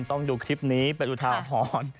ต้องดูคลิปนี้เป็นสุดท้ายออกผ่อน